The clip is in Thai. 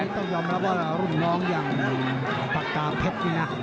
ต้องยอมรับว่ารุ่นน้องอย่างปากกาเพชรนี่นะ